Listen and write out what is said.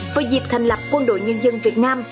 với dịp thành lập quân đội nhân dân việt nam